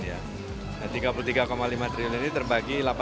nah rp tiga puluh tiga lima triliun ini terbagi delapan